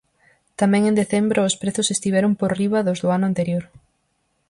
Tamén en decembro os prezos estiveron por riba dos do ano anterior.